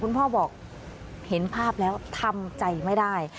พ่อบอกเห็นภาพแล้วทำใจไม่ได้